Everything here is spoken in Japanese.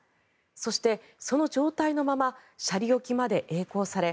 そして、その状態のまま斜里沖までえい航され